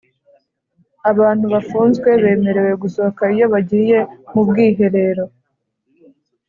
Abantu bafunzwe bemerewe gusohoka iyo bagiye mu bwiherero